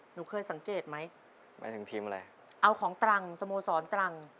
หนูเคยสังเกตไหมหมายถึงทีมอะไรเอาของตรังสโมสรตรัง